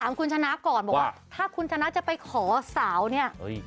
คุณชนะก่อนบอกว่าถ้าคุณชนะจะไปขอสาวเนี่ย